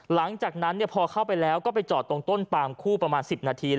หลังจากนั้นพอเข้าไปแล้วก็ไปจอดตรงต้นปามคู่ประมาณ๑๐นาที